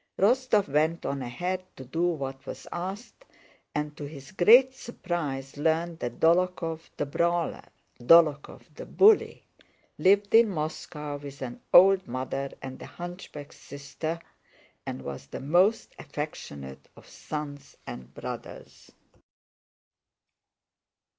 Rostóv went on ahead to do what was asked, and to his great surprise learned that Dólokhov the brawler, Dólokhov the bully, lived in Moscow with an old mother and a hunchback sister, and was the most affectionate of sons and brothers.